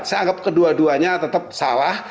saya anggap kedua duanya tetap salah